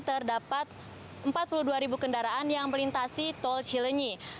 terdapat empat puluh dua ribu kendaraan yang melintasi tol cilenyi